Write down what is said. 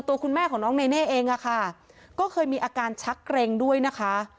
ตัวคุณแม่ของน้องเนเน่เองอะค่ะก็เคยมีอาการชักเกร็งด้วยนะคะ